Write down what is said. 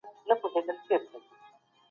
که انلاین ارزونه شفافه وي، شک نه پیدا کيږي.